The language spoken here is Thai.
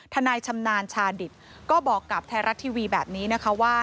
นายชำนาญชาดิตก็บอกกับไทยรัฐทีวีแบบนี้นะคะว่า